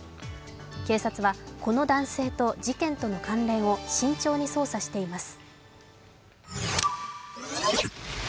警察はこの男性と事件との関連を慎重に捜査しています。